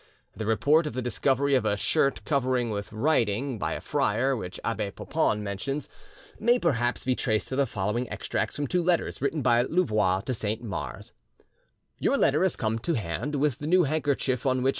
The report of the discovery of a shirt covered with writing, by a friar, which Abbe Papon mentions, may perhaps be traced to the following extracts from two letters written by Louvois to Saint Mars: "Your letter has come to hand with the new handkerchief on which M.